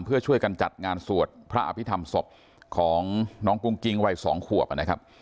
เพื่อช่วยกันจัดงานสวดพระอภิษฐรรมศพของน้องกุ้งกิงวัย๒ขวบนะครับ